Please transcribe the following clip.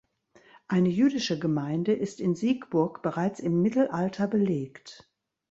Eine jüdische Gemeinde ist in Siegburg bereits im Mittelalter belegt.